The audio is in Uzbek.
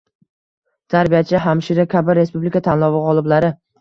«Tarbiyachi», «Hamshira» kabi respublika tanlovi g‘oliblari